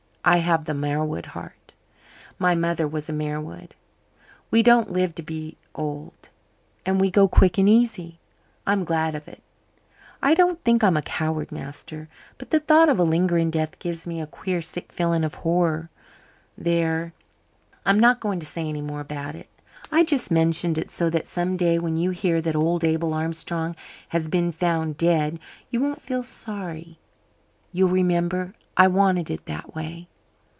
I have the Marwood heart my mother was a Marwood. We don't live to be old, and we go quick and easy. I'm glad of it. I don't think I'm a coward, master, but the thought of a lingering death gives me a queer sick feeling of horror. There, I'm not going to say any more about it. I just mentioned it so that some day when you hear that old Abel Armstrong has been found dead, you won't feel sorry. You'll remember I wanted it that way.